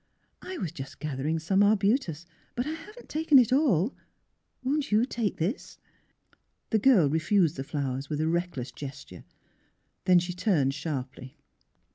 I — was just gathering some arbutus; but I haven't taken it all. Won't you take this? " The girl refused the flowers with a reckless gesture. Then she turned sharply.